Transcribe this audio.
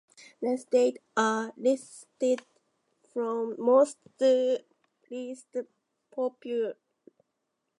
The states are listed from most to least populous.